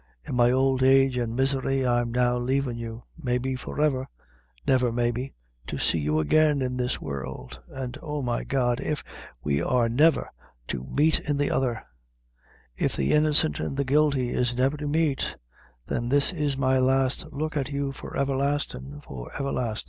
In my ould age and misery I'm now lavin' you may be forever never, maybe, to see you again in this world; an' oh, my God, if we are never to meet in the other; if the innocent and the guilty is never to meet, then this is my last look at you, for everlastin', for everlastin'!